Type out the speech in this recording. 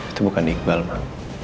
itu bukan iqbal mak